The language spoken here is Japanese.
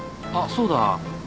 あっそうだ。